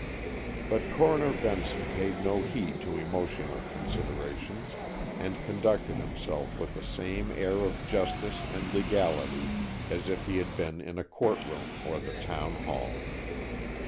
But Coroner Benson paid no heed to emotional considerations and conducted himself with the same air of justice and legality as if he had been in a court room or the town hall.